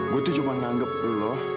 gua itu cuma menanggap lu loh